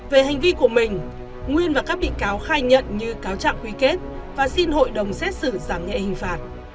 về hành vi của mình nguyên và các bị cáo khai nhận như cáo trạng quy kết và xin hội đồng xét xử giảm nhẹ hình phạt